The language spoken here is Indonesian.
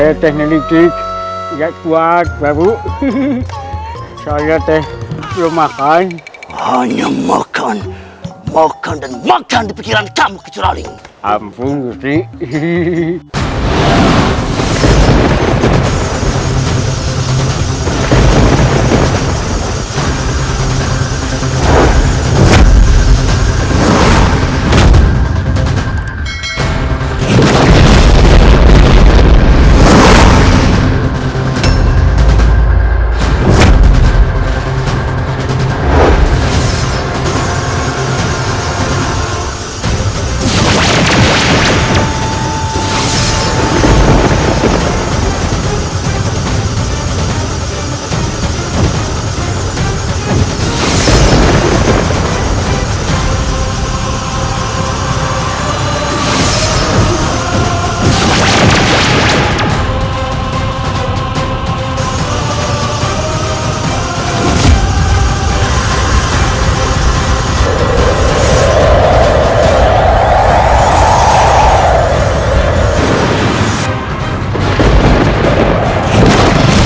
oh siliwangi mengeluarkan jurus prata sukma